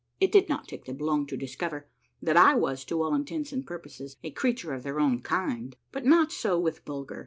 It did not take them long to discoA^er that I Avas to all intents and purpose a creature of their own kind, but not so with Bulgrer.